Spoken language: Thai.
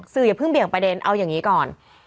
อย่าเพิ่งเบี่ยงประเด็นเอาอย่างนี้ก่อน